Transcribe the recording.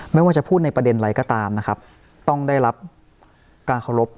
ไม่ว่าจะพูดในประเด็นอะไรก็ตามนะครับต้องได้รับการเคารพ